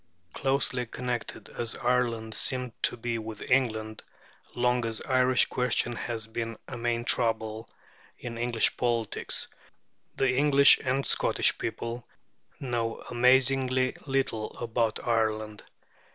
Closely connected as Ireland seems to be with England, long as the Irish question has been a main trouble in English politics, the English and Scottish people know amazingly little about Ireland.